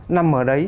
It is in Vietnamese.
nằm ở đấy